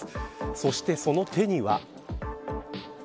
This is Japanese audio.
そしてその手には。